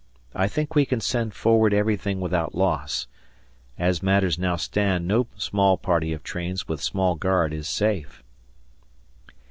I think we can send forward everything without loss. As matters now stand no small party of trains with small guard is safe.